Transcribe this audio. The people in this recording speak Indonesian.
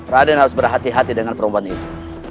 raden harus berhati hati dengan perempuan itu